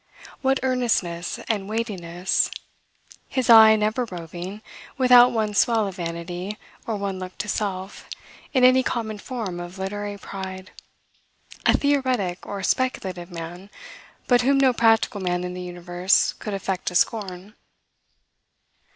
What earnestness and weightiness, his eye never roving, without one swell of vanity, or one look to self, in any common form of literary pride! a theoretic or speculative man, but whom no practical man in the universe could affect to scorn.